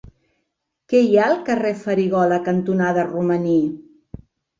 Què hi ha al carrer Farigola cantonada Romaní?